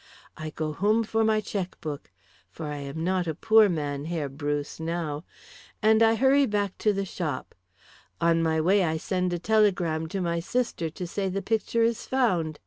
I go home for my chequebook for I am not a poor man, Herr Bruce, now and I hurry back to the shop. On my way I send a telegram to my sister to say the picture is found.